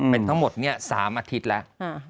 เป็นทั้งหมด๓อาทิตย์แล้ว